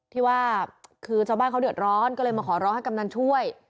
ที่ว่าคือชาวบ้านเขาเดือดร้อนก็เลยมาขอร้องให้กำนันช่วย